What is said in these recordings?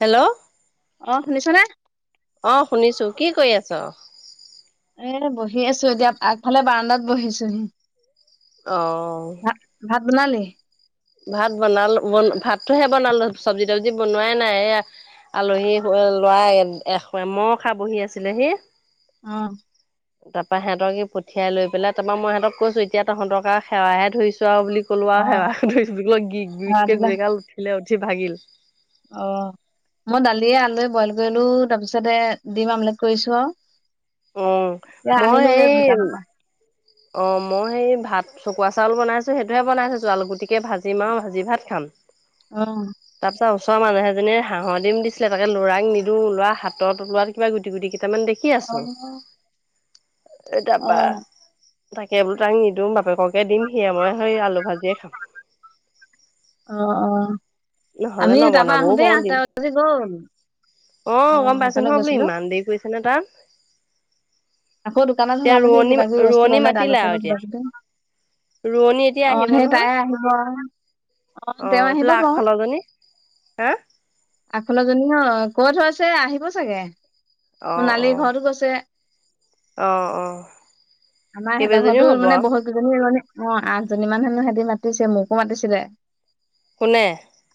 Hello? অ', শুনিছনে? অ', শুনিছোঁ, কি কৰি আছ? এ বহি আছোঁ এতিয়া, আগফালে বাৰাণ্ডাত বহিছোহি। অ'। ভাত, ভাত বনালি? ভাত বনালোঁ, বন ভাতটোহে বনালোঁ, চঞ্জি-তবজি বনোৱাই নাই, এয়া আলহী লৰাই এ, এমসা বহি আছিলেহি। অ'। তাপৰা সিহঁতক পঠিয়াই লৈ পাই, তাৰ পৰা মই সেহতক কৈছোঁ তিয়া তহঁতকা সেৱাহে ধইছোঁ আও বুলি কলোঁ আ, সেৱা। ভাত হ'লে [unintelligible] অল উঠিলে উঠি ভাগিল। অ'। মই দালিয়ে আলুয়ে বইল কইলোঁ তাপিছতে ডিম আমলেট কৰইছোঁ আও। অ ইয়া মই আনিলোগে সেই দোকান পা। অ' মই হেই ভাত চকুৱা চাউল বনাইছোঁ সেটোৱে বনাই থছো, আলু গুতিকে ভাজিম আও ভাজি ভাত খাম। অ'। তাপিছত ওচৰ মানহ এজনী হাঁহৰ ডিম দিছিলে তাকে ল'ৰাক নিদো লৱা হাতৰ তলোৱাত কিবা গুটি গুটি কেটামান দেখ অ'। এ অ তাপা তাকে [unintelligible] তাক নিদিওঁ বাপেককে দিম সিয়ে ময়ে সেই আলু ভাজিয়ে খাম। অ' অ' নহ'লে আমি এ তাপা নবনাবও আহোঁতে পাৰো আঠটা দিম বাজি গ'ল। অ' গম পাইছোঁ সেইফালে নহয় বোলো গৈছিলো ইমান দেই কইছে নে তাত। আকৌ দোকানত এতিয়া সোমালোহি ৰোৱনী, কিবা কিবি বস্তু ৰোৱনী ললে দালি মাতিলা চালি আও এতিয়া। কিবা কিবি। ৰোৱনী এতিয়া অ আহিব সেই তাই নহয়। আহিব অ তেওঁ অ' এ আহিব পেলে বাও। আগফাল [unintelligible] আ। আগফাল জনী ন? কয় থৈছে, আহিব চাগে। অ' সোণালী অ', ঘৰতো গৈছে অ' অ'। আমাৰ এহেত কেইবাজনীও ঘতো হ'ব মানে, আৰু বহুত গিজনী মানে, অ' আঠজনীমান হেনো হেতি মাতিছে, মোকো মাতিছিলে। কোনে?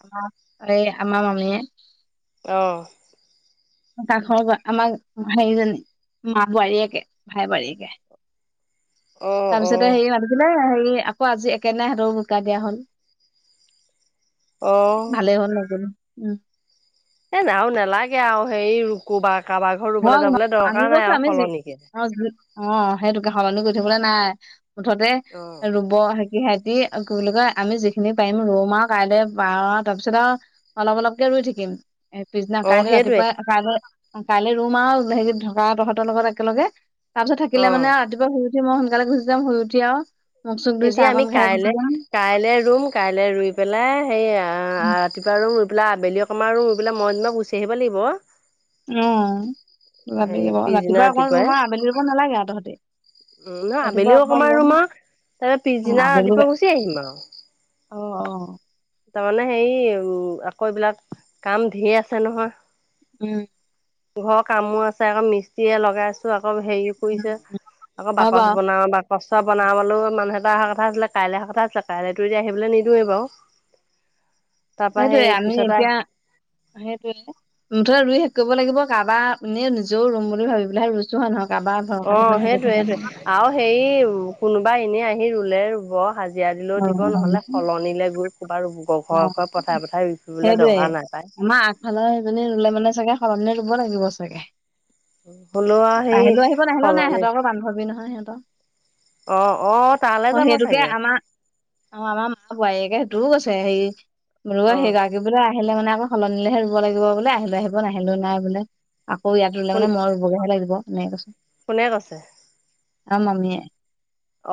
আ [unintelligible] আমা মামীয়ে। অ'। কাষ গ, আমা হেইজন। বোৱাৰীয়েকে। ভাই বোৱাৰীয়েকে। অ তাপিছতে হেই। [unintelligible] [unintelligible] হেই আকৌ আজি একে দিনাই হেতও বোকা দিয়া হ'ল। অ অ ভালেই হ'ল নগ'লো। উ। এ নাও নালাগে আও হেই ক'বা কাবা ঘৰ হয় ৰুবলৈ যাবলৈ আমি দৰকাৰ নাই কৈছো আও আমি যি সলনিকে। [unintelligible] অ' হেটোকে সলনি কই থাকিবলে নাই। মুঠতে অ [unintelligible] ব হেকি, হেতি কই [unintelligible] আমি যিখিনি পাইম ৰুম আও কাইলে পা তাপিছতে আ অলপ অলপকে ৰুই থাকিম। এ পিছদিনা, অ কাইলৈ সেইটোৱে ৰাতিপুৱাই, কাইলৈ কাইলৈ ৰুম আ হেৰি ঢগা তহঁতৰ লগত একেলগে। তাপিছত অ থাকিলে মানে ৰাতিপুৱা শুই ঠি মই সোনকালে গুচি যাম। শুই উঠি আও মুখ চুখ ধুই এতিয়া আমি চাহকন খাই কাইলে গুচি যাম। কাইলে ৰুম, কাইলৈ ৰুই পেলাই হেই আ ৰাতিপুৱা ৰুম, ৰুই পেলাই আবেলি অ আমাৰো ৰুই পেলায় মই যেনিবা গুচি আহিব লাগিব। অ' [unintelligible] সেই পিছদিনা ৰাতিপুৱা অকল ৰাতিপুৱাই ৰুম আ আবেলি ৰুব নালাগে আ তহঁতি। উম, ন ৰাতিপুৱা আবেলিও অকমান অকনমান ৰুম আও [unintelligible] পিছদিনা আবেলি ৰাতিপুৱা গুচি আহিম আও। অ', অ'। তামানে হেই, উম আকৌ এইবিলাক কাম ধেই আছে নহয়। উম। ঘ কামো আছে, আকৌ মিস্ত্ৰীয়ে লগাইছোঁ। আকৌ হেই ফুইছে। আকৌ হয় বাকচ বাৰু বনাওঁ বা [unintelligible] বনাবলৈও মানুহ এটা আহা কথা আছিলে। কাইলে আহা কথা আছিলে। কাইলেতো এতিয়া আহিবলৈ নিদোৱে বাও। হেটোৱে আমি পিছতে এতিয়া হেটোৱে। [unintelligible] ৰুই শেষ কইব লাগিব। কাবা নি নিজেও ৰুম বুলি ভাবি পেলাইহে ৰুছ ছো হয় নহ? কাবা অ সেইটোৱে সেইটোৱে ভৰষা [unintelligible] আৰু হেৰি, কোনোবা এনেই আহি ৰুলে ৰুব। হাজিৰা দিলেও দিব। নাই নহ'লে কলনিলৈ গৈ ক'ৰবাৰ লোকৰ ঘৰ, ঘৰ পথাই, পথাই ৰুই ফুৰিবলৈ দৰকাৰ নাই পায়। ভালৰ সেইজনী ৰুলে মানে, চাগে সলনি ৰুব লাগিব চাগে। হ'লেও আৰু সেই আহিলে আহিব, নাহিলেও নাই। সলনি সিহঁতৰ আকৌ বান্ধৱী নহয় সিহঁতৰ। অ', অ' তালে যাব সেইটোকে চাগে। আমাৰ অ', আমাৰ মা বোৱাৰীয়েকে সেইটোও আছে। অ হেৰি [unintelligible] [unintelligible] আহিলে মানে আকৌ সলনিলে হে ৰুব লাগিব। বোলে আহিলে আহিব, নাহিলেও নাই বোলে। আকৌ ইয়াত ৰুলে, কোন মানে মই ৰুবগৈহে লাগিব। এনেকে কৈছে। কোনে কৈছে? আম মামিয়ে।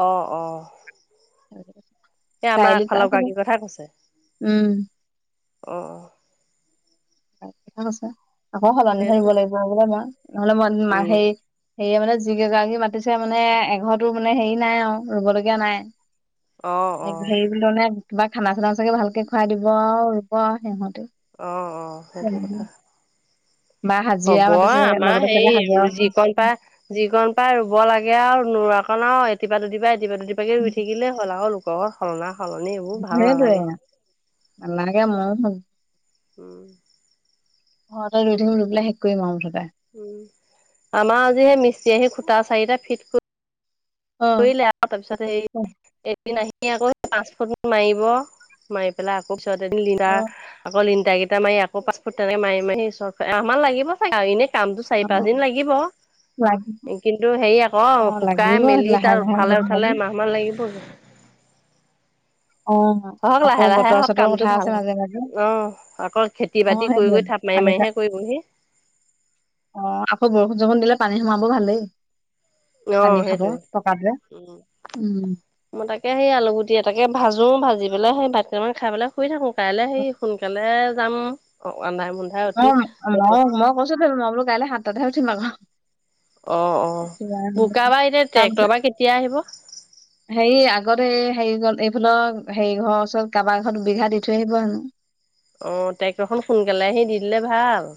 অ', অ'। এই চাৰি আমাৰ আলিত আগফালৰ পায় চাগে। গৰাকীৰ কথা কৈছে উম। অ', হয়, থিকেই কৈছে। আকৌ সলনি থাকিব সেইটোৱে লাগিব বোলে মই। নহলে মই মাক উম সেই হেৰি মানে, যি কেইগৰাকী মাতিছে মানে, এঘৰটো মানে হেৰি নাই আৰু। ৰুবলগীয়া নাই। অ অ হেৰি কিজনে তোমাক খানা-চানা চাগে ভালকে খুৱাই দিব আৰু। ৰুব আৰু সিহঁতে। অ', ‌অ'। সেইটো কথা। বা হাজিৰা হ'ব মাতিছে আমাৰ লগতে হেই চাগে হাজিৰাও আছে যিকণ পাই যিকণ পাই ৰুব লাগে আৰু। নোৰা কণ আৰু এতিপা দুদিবা, এতিপা দুদিবাকে ৰুই থাকিলে হ'ল আৰু নো। বৰ সলনা সলনি এইবোৰ ভাল সেইটোৱে নালাগে। [unintelligible] উম। অ', তই ৰুই থাকিবি। ৰুই পেলায় শেষ কৰিম আৰু মুঠতে। উম। আমাৰ আজি সেই মিষ্টি আহি খুটা চাৰিটা ফিট কৰি অ কৰিলে আক তাৰপিছত হেই এদিন আহি আকৌ পাঁচ [unintelligible] মাৰিব। মাৰি পেলাই আকৌ পিছত এদিন অ লীনটাৰ আকৌ লীনটাৰ কেইটা ইটা মাৰি আকৌ পচফুট তেনেকে মাৰি, মাৰি চ এমাহ মান লাগিব চাগে আৰু এনেই কামতটো চাৰি অ পাঁচ দিন লাগিব। লাগি কিন্তু হেৰি অ আকৌ শুকাই লাগিব মেলি লাহে তাত লাহে উঠালে, উঠালে গৈ, এমাহ মান লাগিবগে। অ', হওক লাহে আকৌ লাহে বতৰ হওক চতৰৰ কামটো কথা ভাল আছে হওক। মাজে, মাজে, অ', আকৌ খেতি অ, বাতি কৰি কৰি সেইটোৱেই থাপ মাৰি পানী মাৰিহে চা কৰিবহি অ, আকৌ বৰষুণ-চৰষুণ দিলে পানী সোমাব ভালেই। পানী অ', খাব সেইটোৱে। পকাৰটোৱে, উম উম। মই তাকে হেই আলুগুটি তাকে ভাজো ভাজি পেলাই সেই ভাত কেইটামান খাই পেল শুই থাকো, কাইলে হেই সোনকালে যাম অ, আন্ধাৰে-মোন্ধাই অ উঠি। বতৰ মই [unintelligible] মই বোলো কাইলে সাত তাতহে উঠিম আকৌ। অ, উঠিম অ, বোকা বা এতিয়া ট্ৰেক্টৰ তাৰপিছত বা কেতিয়া আহিব? হেৰি আগতে হেৰি গ'ল এইফালৰ হেৰি ঘৰ ওচৰত কাৰোবাৰ ঘৰত দুবিঘা দি থৈ আহিব হেনো। অ' টেক্টৰখন সোনকালে আহি দি দিলে ভাল।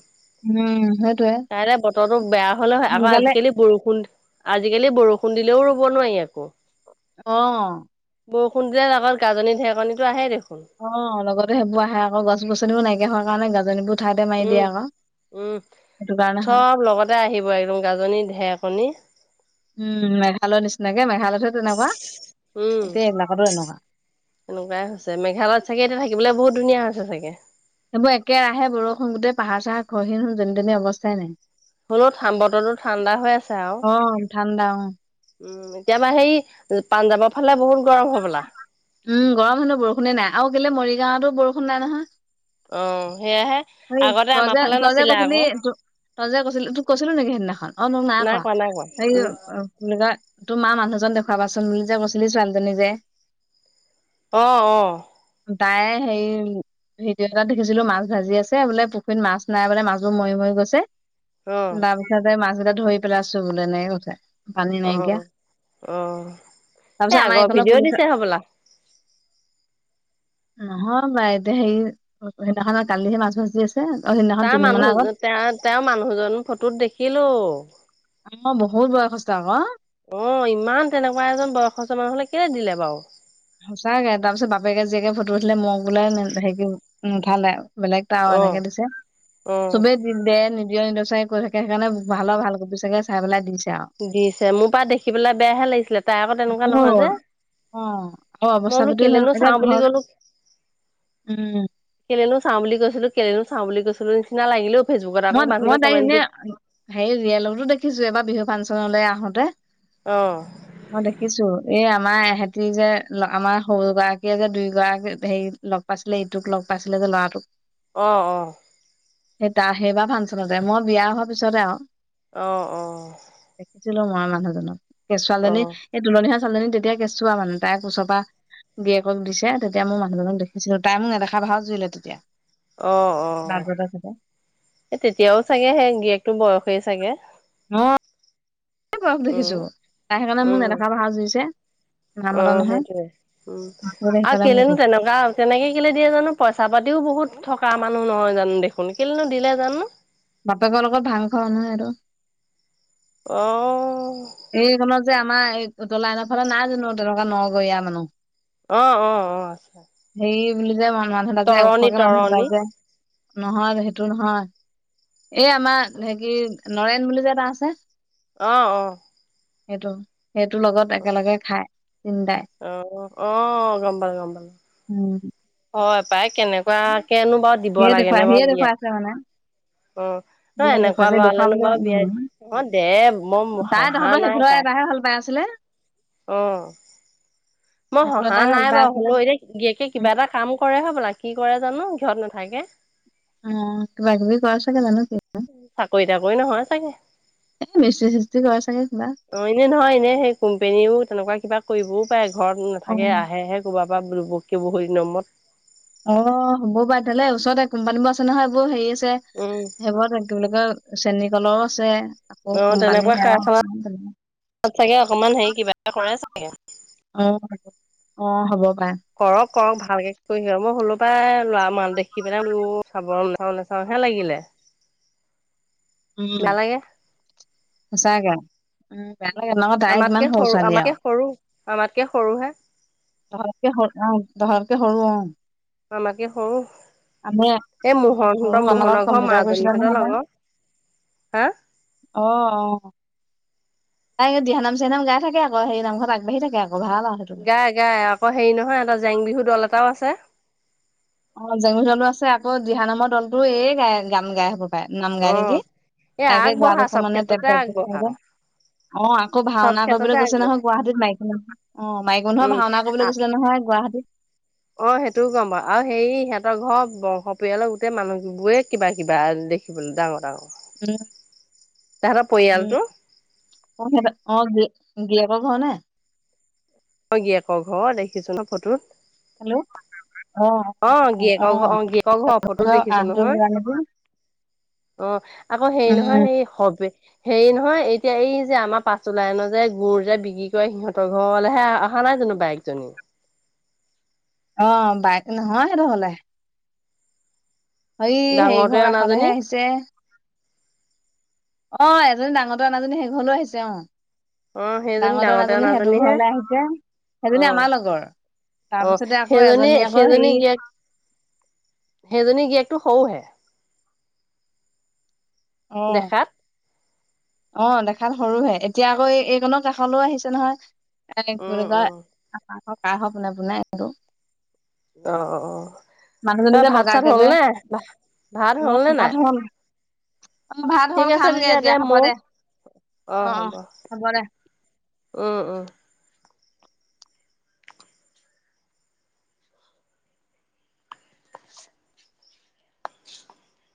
উম, সেই কাইলৈ বতৰটো বেয়া হলে হয়, আকৌ আজিকালি বৰষুণ আজিকালি বৰষুণ দিলেও ৰোব নোৱাৰি আকৌ। অ', বৰষুণ দিলে লগত গাজনি ঢেৰেকনিটো আহেই দেখোন। অ, লগতে সেইবোৰ আহে আকৌ গছ-গছনিবোৰ নাইকিয়া হোৱা কাৰণে গাজনী বোৰ উম উম, সেইটো কাৰণে হয় চব লগতে আহিব একদম গাজনি ঢেকণী। উম, মেঘালয়ৰ নিচিনাকে মেঘালয়তহে তেনেকুৱা। এতিয়া এইবিলাকতো এনেকোৱা। এনেকোৱাই হৈছে মেঘালয়ত চাগে এতিয়া থাকিবলৈ বহুত ধুনীয়া হৈছে চাগে। সেইবোৰ একেৰাহে বৰষুণ গোটেই পাহাৰ চাহৰ খহি দেখোন যেনি তেনি অৱস্থাই নাই। হ'লো ঠান বতৰতো ঠাণ্ডা হৈ আছে আও। অ', ঠাণ্ডা অ'। উম এতিয়াবা হেই পাঞ্জাৱৰ ফালে বহুত গৰম হ'বলা। উম গৰম হেনো বৰষুণে নাই আৰু কেলে মৰিগাঁৱতো বৰষুণ নাই নহয়। অ সেয়াহে। তই আগতে আমাৰ যে ফালে তই যে নাছিলে কৈছিলি আকৌ ত তই যে কৈছিলি তোক কৈছিলো নেকি সেইদিনাখন অ ন নাই নাই কোৱা নাই কোৱা অ কি উম বুলি কয়, তোমাৰ মানুহজন দেখুৱাবা চোন বুলি যে কৈছিলি ছোৱালীজনী যে। অ অ তাইয়ে হেৰি ভিডিঅ এটাত দেখিছিলো মাছ ভাজি আছে। এ বোলে পুখুৰীত মাছ নাই বোলে মাছবোৰ মৰি মৰি গৈছে অ বাম তাপা এ মাছকেইটা ধৰি পেলাইছো বোলে, এনেকৈ কৈছে। পানী অ নাইকিয়া, অ এই তাৰপিছত আমাৰ আগৰ এইকণৰ ভিডিঅ' পুলিছ দিছে হ'বলা নহয় এতিয়া হেৰি সেইদিনাখনৰ কালিহে মাছ বাছি আছে। অ সেইদিনা তা মানুহজ তেওঁ তেওঁৰ মানুহজন ফটোত দেখিলো। অ বহুত বয়সস্থ আক। অ ইমান তেনেকোৱা এজন বয়সস্থ মানুহলে কেলে দিলে বাও? সঁচাকে তাৰপিছত বাপেকে জীয়েকে ফটো উঠিলে মই বোলে হেৰি নোঠালে। বেলেগ তাও অ এনেকে দিছে, অ চবেই কি বে নিদিয়ে নেকি চাগে কৈ থাকে সেইকাৰণে ভালৰ ভাল কপি চাগে চাই পেলাই দিছে আও। দিছে মোৰ পাই দেখি পেলাই বেয়াহে লাগিছিলে তাই আকৌ তেনেকোৱা নহয় মোৰ যে। অ আৰু মই অৱস্থা বোলো পাতিও হ'ল কেলেনো এতিয়া চাও বুলি ঘৰত কলো উম কেলেনো চাও বুলি কৈছিলো, কেলেনো চাও বুলি কৈছিলো নিচিনা লাগিলে অ। মই মই তাই এনে হেৰি ৰিয়েলতো দেখিছো এবাৰ বিহু ফাংচনলৈ আহোতে। অ মই দেখিছো এই আমাৰ এহেঁতি যে আমাৰ সৰু গৰাকীয়ে যে দুই গৰাকী হেৰি লগ পাইছিলে ইটোক লগ পাইছিলে যে ল'ৰাটোক অ অ তা সেইবাৰ ফাংচনতে মই বিয়া হোৱাৰ পিছতে আও। অ অ দেখিছিলো মই মানুহজনক এ অ ছোৱালীজনী এই তুলনি হোৱা ছোৱালীজনী তেতিয়া কেঁচুৱা মানে তাইৰ কোচৰ পৰা গিৰিয়েকক দিছে তেতিয়া মোৰ মানুহজনক দেখিছিলো তাই মোক নেদেখা ভাও জুৰিলে তেতিয়া। অ অ বাটবজাৰ চাইডে এই তেতিয়াও চাগে সেই গিৰিয়েকটো বয়সেই চাগে। অ বহুতে বয়স উম দেখিছো তাই সেইকাৰণে মোক উম নেদেখা ভাও জুৰিছে। অ নামতা নহয় সেইটোয়ে উম আৰু সেইফালে মোৰ কেলেনো গৈছে তেনেকোৱা তেনেকে কেলে দিয়ে জানো পইচা পাতিও বহুত থকা মানুহ নহয় জানো দেখোন কেলেনো দিলে জানো বাপেকৰ লগত ভাং খোৱা মানুহে সেইটো অ এইখনত যে আমাৰ এই উতলা এনৰাৰ ফালে নাই জানো তেনেকোৱা নগৰীয়া মানুহ অ অ অ আছে হেৰি বুলি যে মানুহ এজনে যে ওখকে মানুহ এটা তৰণি যে নহয় সেইটো নহয় এই আমাৰ হে কি নৰেন বুলি যে এটা আছে অ' অ' সেইটো, সেইটো লগত একেলগে খাই তিনদাই। অ' অ' গম পালোঁ, গম পালোঁ উম হয় পাই কেনেক কেনেকুৱা কেনো বাৰু দিব সিয়ে লাগে দেখুৱাই নে বাৰু সিয়ে দিয়া দেখুৱাইছে মানে অ' ন, সিয়ে এনেকুৱা দেখুৱাইছে লৰা'লেনো দেখুৱাবলৈ বাৰু বিয়া উম, অ' দে মই হহা তহঁতৰ নাই সেইফালৰ তাক এটাহে ভাল তাই আছিলে। অ'মই সেইফালৰ হহা এটাহে ভাল নাই পাই বাৰু আছিলে হ'লো এ গিৰিয়েকে উম, কিবা এটা কাম কৰে হ'বলা কি কৰে জানো ঘৰত নাথাকে। উম, কিবা-কিবি কৰেচাগে জানো কি এ, চাকৰি তাকৰি নহয় চাগে মিস্ত্ৰী চিষ্ট্ৰী কৰে চাগে কিবা। অ, এনে নহয় এনে সেই কোম্পেনীও তেনেকুৱা কিবা কৰিবও পাৰে ঘৰত অ নাথাকে আহেহে কুবাৰপৰা বোল বক্কে বহু দিনৰ মূৰত। অ' হ'ব পাৰে তেলে ওচৰতে কোম্পানী বোৰ আছে নহয় এইবোৰ হেৰি আছে উম, সেইবোৰতে। কি বুলি কয় চেনী কলও আছে আকৌ কোম্পানী সেয়া তাত চাগে অকমান হেৰি কিবা এটা কৰে চাগে। উম, অ' হ'ব পাৰে। কৰক, কৰক ভালকে কৰি [unintelligible] মই হ'লো পাই ল'ৰা মাল দেখি পেলাই চাবল [unintelligible] ভয়হে লাগিলে। [inaudible] উম, বেয়া লাগে সঁচাকে উম, বেয়া লাগে ন' তাই ইমান আমাতকে সৰু ছোৱালী আমাতকে আৰু। সৰু আমাতকে সৰুহে তহততকে সৰু অ' তহততকে সৰু আমাতকে সৰু আমি এই উম সৰু মোহনহঁতৰ আমাৰ লগত মোহনৰ ঘৰৰ কম্পিউটাৰ কৰিছিলে মাজনীহঁতৰ নহয় তাই লগৰ হা? অ' অ' তাই দিহানাম, চিহানাম গাই থাকে আকৌ সেই নামগুৱাত আগবাঢ়ি থাকে আকৌ ভাল আ' সেইটো। গাই, গাই আকৌ হেৰি নহয় এটা জেং বিহু দল এটাও আছে। অ'জেঙ বিহুৰটো আছে আকৌ দিহা নামৰ দলটো এইয়ে গাই গান গাই হ'ব পায় নাম গাই অ নেকি এই তাইকে গোৱা আগবঢ়া দেখো চব মানে তাই ক্ষেত্ৰতে প্ৰেকটিচ কৰে আগবঢ়া যে। অ' আকৌ চব ভাওনা ক্ষেত্ৰতে কৰিবলৈ গৈছে আগবঢ়া নহয় গুৱাহাটীত মাইকী মানুহৰ। অ' মাইকী মানুহে উম ভাওনা কৰিবলৈ গৈছিলে নহয় গুৱাহাটীত। অ'সেইটোও গম পাওঁ আৰু হেৰি সিহঁতৰ ঘৰৰ বংশ পৰিয়ালৰ গোটেই মানুহ বোৰে কিবা-কিবা দেখ [unintelligible] উম, উম। অ' সিহতঁৰ অ' গিৰে, গিৰেয়েকৰ ঘৰ নে? অ'গিৰিয়েকৰ ঘৰ দেখিছো ন' ফটোত। হেল্ল' গিৰিয়েকৰ ঘৰ অ অ' গিৰিয়েকৰ ঘৰ অ' [unintelligible] অ'আকৌ হেই উম নহয় হেই হ'বে হেৰি নহয় এতিয়া এই যে আমাৰ পাচটো লাইনৰ যে গুৰ যে বিক্ৰী কৰে সিহঁতৰ ঘৰলৈহে আ' অহা নাই জানো বায়েক জনী। অ'বায়েক নহয় সেইটো হ'লে হই হেৰি ডাঙৰটোৱে ঘৰ কাষলেহে অনাজনী আহিছে। অঁ এজনী ডাঙৰ টোৱে অনা জনী সেইঘৰলৈ ও আহিছে অ। অ সেইজনী ডাঙৰ টোৱে ডাঙৰতে অনাজনী সেইটো অনাজনীহে ঘৰলে আহিছে, অ সেইজনী আমাৰ লগৰ। অ তাৰপিছতে আকৌ সেইজনী এজনী আকৌ হেৰি সেই জনী গিৰিয়েক টো সৰু হে দেখাত। অ‌ঁ দেখাত সৰুহে, এতিয়া আকৌ এইকনৰ কাষলেও আহিছে নহয়, এ কি উম কয় উম কাৰ ঘৰ, কাৰ ঘৰৰ পোনে পোনে এইটো অ মানুহজনী তই যে ভাত চাত বগাকে হ'ল যে নে ভাত অ হ'ল নে ভাত নাই? হ'ল অ ভাত ঠিক হ'ল আছে খামগে তেতিয়া দে এতিয়া হ'ব মোও, অঁ অ অ হ'ব। দে উম উম। [inaudible]